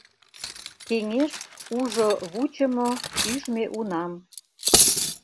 Кеҥеж ужо вучымо, ӱжмӧ унам.